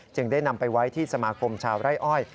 ได้นำไปไว้ที่สมาคมชาวไร่อ้อย